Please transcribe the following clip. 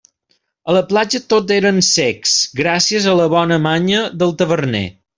A la platja tots eren cecs, gràcies a la bona manya del taverner.